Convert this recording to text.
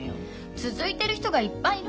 続いてる人がいっぱいいるんだもん。